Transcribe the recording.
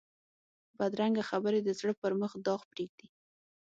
بدرنګه خبرې د زړه پر مخ داغ پرېږدي